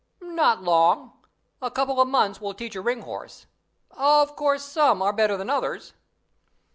"Not long; a couple of months will teach a ring horse; of course, some are better than others."